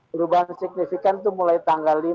perubahan signifikan itu mulai tanggal lima